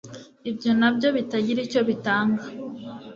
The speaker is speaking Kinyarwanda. ibyo nabyo bitagira icyo bitanga,